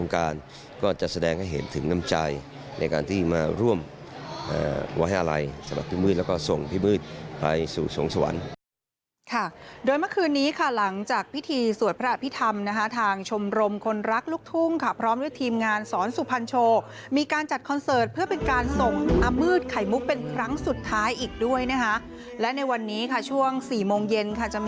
การที่มาร่วมเอ่อไว้อะไรสำหรับพี่มืดแล้วก็ส่งพี่มืดไปสู่สวงสวรรค์ค่ะโดยเมื่อคืนนี้ค่ะหลังจากพิธีสวดพระพิธรรมนะฮะทางชมรมคนรักลูกทุ่งค่ะพร้อมด้วยทีมงานสอนสุพันธ์โชว์มีการจัดคอนเสิร์ตเพื่อเป็นการส่งอามืดไขมุกเป็นครั้งสุดท้ายอีกด้วยนะฮะและในวันนี้ค่ะช่วงสี่โมงเ